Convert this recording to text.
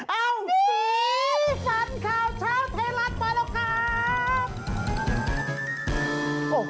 เอาสีสันข่าวเช้าเทราะไปแล้วครับ